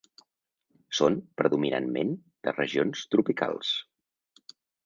Són predominantment de regions tropicals.